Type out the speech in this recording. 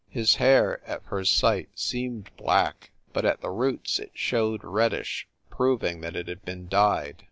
His hair, at first sight, seemed black, but at the roots it showed reddish, proving that it had been dyed.